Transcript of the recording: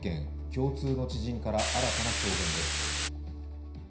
共通の知人から新たな証言です。